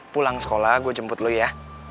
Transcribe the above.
pulang sekolah gue jemput lo ya